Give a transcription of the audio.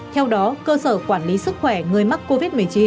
theo đó cơ sở quản lý sức khỏe người mắc covid một mươi chín